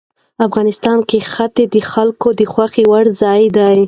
افغانستان کې ښتې د خلکو د خوښې وړ ځای دی.